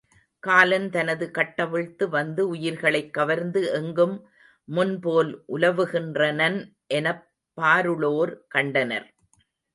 காலன் தனது கட்டவிழ்த்து வந்து உயிர்களைக் கவர்ந்து எங்கும் முன்போல் உலவுகின்றனன் எனப் பாருளோர் கண்டனர்.